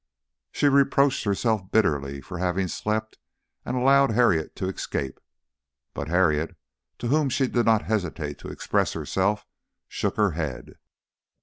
She reproached herself bitterly for having slept and allowed Harriet to escape; but Harriet, to whom she did not hesitate to express herself, shook her head.